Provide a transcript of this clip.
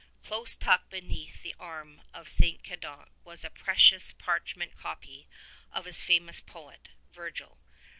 Close tucked beneath the arm of St. Cadoc was a precious parchment copy of his favorite poet — Virgil.